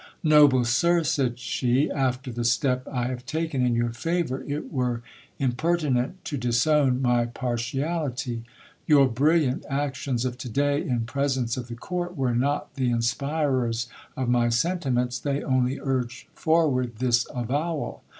Noble sir, said she, after the step I have taken in your favour it were imper tinent to disown my partiality. Your brilliant actions of to day, in presence of the court, were not the inspirers of my sentiments, they only urge forward this avi >wal.